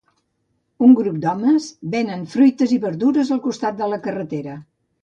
Un grup d'homes venen fruites i verdures al costat de la carretera.